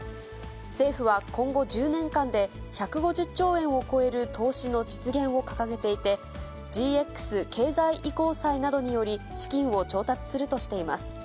政府は、今後１０年間で、１５０兆円を超える投資の実現を掲げていて、ＧＸ経済移行債などにより資金を調達するとしています。